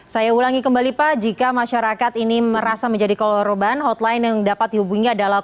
saya ulangi kembali pak jika masyarakat ini merasa menjadi korban hotline yang dapat dihubungi adalah delapan ratus sebelas tiga ribu tujuh ratus delapan puluh